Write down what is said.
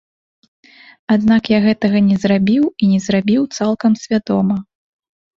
Аднак я гэтага не зрабіў, і не зрабіў цалкам свядома.